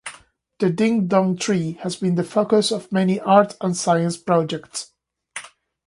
The Ding Dong tree has been the focus of many art and science projects.